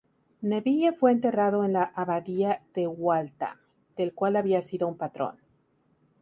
Neville fue enterrado en la Abadía de Waltham, del cual había sido un patrón.